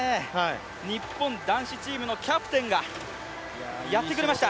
日本男子チームのキャプテンがやってくれました。